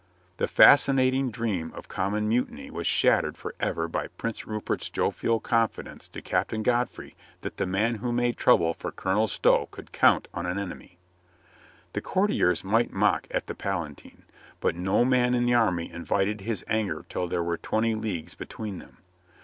The fascinating dream of common mutiny was shattered for ever by Prince Rupert's jovial confidence to Captain Godfrey that the man who made trouble for Colonel Stow could count on an enemy. The courtiers might mock at the Palatine, but no man in the army invited his anger till there were twenty leagues between them.